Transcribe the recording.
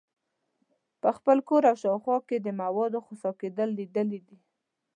په خپل کور او شاوخوا کې د موادو خسا کیدل لیدلي دي.